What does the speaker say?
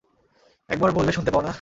একবার বললে শোনতে পাও না?